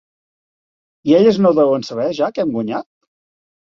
I elles no ho deuen saber, ja, que hem guanyat?